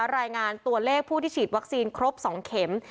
รายงานตัวเลขผู้ที่ฉีดวัคซีนครบ๒เข็ม